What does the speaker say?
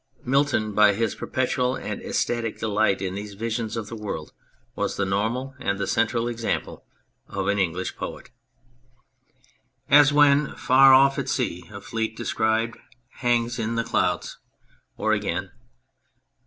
Milton by his perpetual and ecstatic delight in these visions of the world was the normal and the central example of an English poet. As when far off at sea a fleet descri'd Hangs in the clouds .... or, again